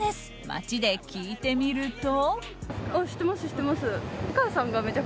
街で聞いてみると。